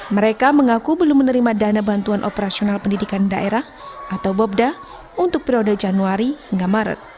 mereka mengaku belum menerima dana bantuan operasional pendidikan daerah atau bobda untuk periode januari hingga maret